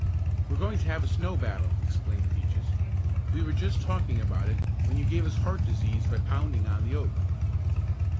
"We're going to have a snow battle," explained Peaches. "We were just talking about it when you gave us heart disease by pounding on the oak."